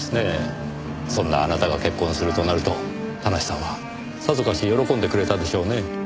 そんなあなたが結婚するとなると田無さんはさぞかし喜んでくれたでしょうね。